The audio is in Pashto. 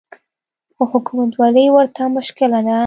خو حکومتولي ورته مشکله ده